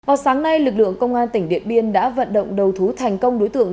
vào sáng nay lực lượng công an tỉnh điện biên đã vận động đầu thú thành công đối tượng